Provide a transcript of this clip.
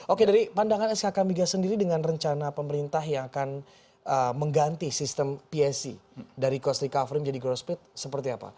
oke dari pandangan skk migas sendiri dengan rencana pemerintah yang akan mengganti sistem psc dari cost recovery menjadi growth speed seperti apa